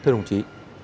thưa đồng chí